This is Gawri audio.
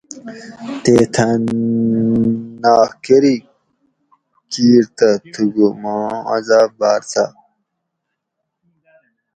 تے تھہ ناغکری کیر تہ تھوکو ماں عذاب باۤر سخت